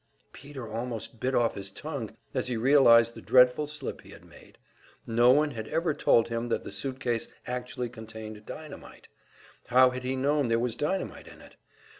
Peter almost bit off his tongue as he realized the dreadful slip he had made. No one had ever told him that the suit case actually contained dynamite! How had he known there was dynamite in it?